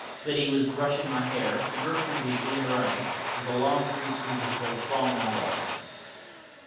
Liddy was brushing my hair, and Gertrude was doing her own, with a long free sweep of her strong round arms.